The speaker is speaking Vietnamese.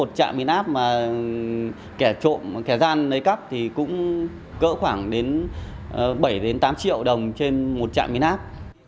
một trạm biến áp mà kẻ trộm kẻ gian lấy cắp thì cũng cỡ khoảng đến bảy tám triệu đồng trên một trạm biến áp